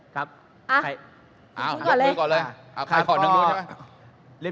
คุณก่อนเลย